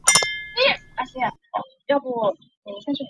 东南角则有正式意大利风格的花园。